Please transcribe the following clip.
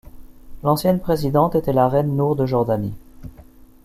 L'ancienne présidente était la reine Noor de Jordanie.